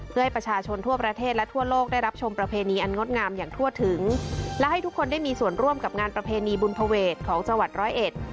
เพื่อให้ประชาชนทั่วประเทศและทั่วโลกได้รับชมประเพณีอันงดงามอย่างทั่วถึงและให้ทุกคนได้มีส่วนร่วมกับงานประเพณีบุญภเวทของจังหวัดร้อยเอ็ด